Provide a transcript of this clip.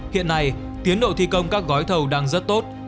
hiện nay tiến độ thi công các gói thầu đang rất tốt